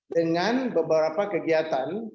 dengan beberapa kegiatan